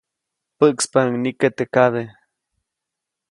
Päʼkspaʼuŋ nike teʼ kabe.